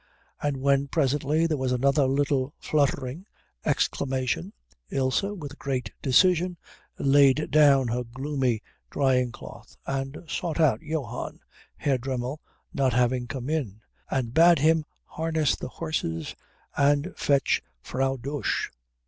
But when presently there was another little fluttering exclamation, Ilse, with great decision, laid down her gloomy drying cloth and sought out Johann, Herr Dremmel not having come in, and bade him harness the horses and fetch Frau Dosch.